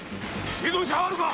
生存者はあるか？